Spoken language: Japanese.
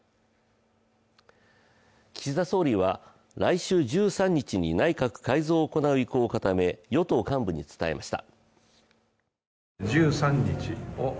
岸田総理は来週１３日に内閣改造を行う意向を固め与党幹部に伝えました。